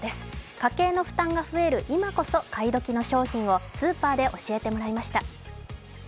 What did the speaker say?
家計の負担が増える今こそ買い時の商品をスーパーで教えてもらいました。